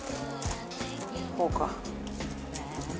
こうか。